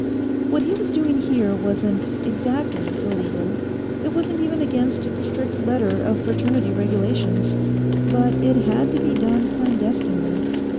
What he was doing here wasn't exactly illegal. It wasn't even against the strict letter of Fraternity regulations. But it had to be done clandestinely.